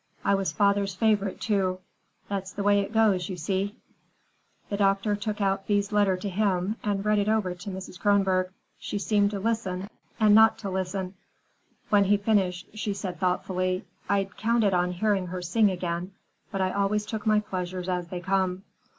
I was father's favorite, too. That's the way it goes, you see." The doctor took out Thea's letter to him, and read it over to Mrs. Kronborg. She seemed to listen, and not to listen. When he finished, she said thoughtfully: "I'd counted on hearing her sing again. But I always took my pleasures as they come.